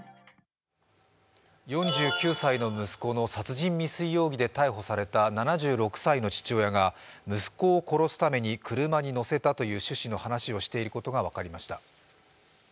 ４９歳の息子の殺人未遂容疑で逮捕された７６歳の父親が息子を殺すために車に乗せたという趣旨の話をしていることが分かりました。